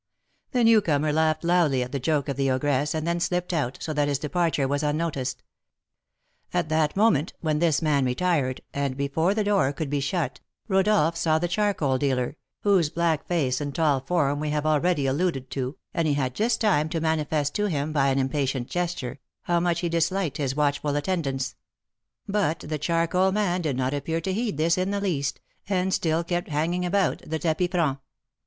The newcomer laughed loudly at the joke of the ogress, and then slipped out, so that his departure was unnoticed. At that moment when this man retired, and before the door could be shut, Rodolph saw the charcoal dealer, whose black face and tall form we have already alluded to, and he had just time to manifest to him, by an impatient gesture, how much he disliked his watchful attendance; but the charcoal man did not appear to heed this in the least, and still kept hanging about the tapis franc.